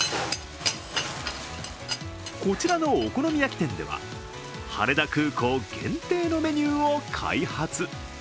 こちらのお好み焼き店では羽田空港限定のメニューを開発。